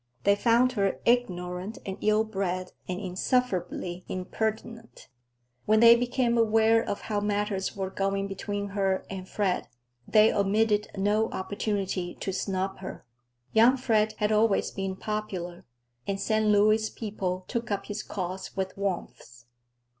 They found her ignorant and ill bred and insufferably impertinent. When they became aware of how matters were going between her and Fred, they omitted no opportunity to snub her. Young Fred had always been popular, and St. Louis people took up his cause with warmth.